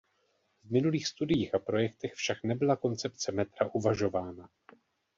V minulých studiích a projektech však nebyla koncepce metra uvažována.